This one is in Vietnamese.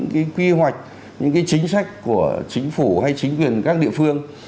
kế hoạch những cái chính sách của chính phủ hay chính quyền các địa phương